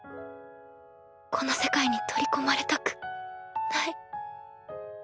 この世界に取り込まれたくない。